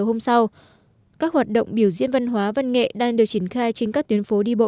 hôm sau các hoạt động biểu diễn văn hóa văn nghệ đang được triển khai trên các tuyến phố đi bộ